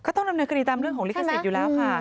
ต้องดำเนินคดีตามเรื่องของลิขสิทธิ์อยู่แล้วค่ะ